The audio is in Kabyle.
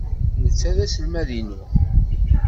Netta d aselmad-inu.